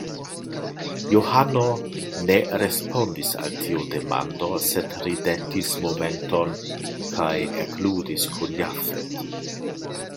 Johano ne respondis al tiu demando, sed ridetis momenton kaj ekludis kun Jafet.